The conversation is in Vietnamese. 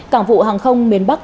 cảng vụ hàng không miền bắc